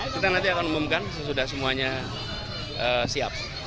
kita nanti akan umumkan sesudah semuanya siap